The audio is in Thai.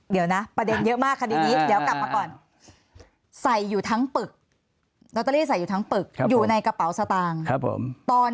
เดี๋ยวนะประเด็นเยอะมากค่ะดินี้เดี๋ยวกลับมาก่อน